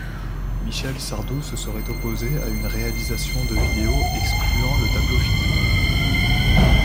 Michel Sardou se serait opposé à une réalisation de vidéo excluant le tableau final.